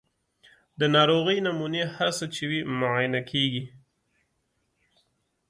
د ناروغۍ نمونې هر څه چې وي معاینه کیږي.